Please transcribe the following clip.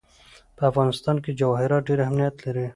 په افغانستان کې جواهرات ډېر اهمیت لري.